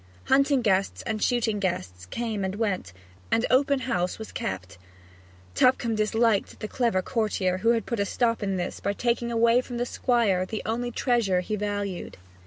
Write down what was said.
Hunting guests and shooting guests came and went, and open house was kept. Tupcombe disliked the clever courtier who had put a stop to this by taking away from the Squire the only treasure he valued.